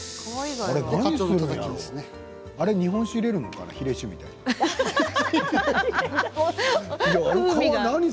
日本酒に入れるのかなヒレ酒みたいに。